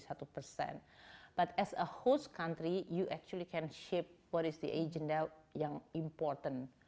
tapi sebagai negara berkembang kita bisa men shape agenda yang penting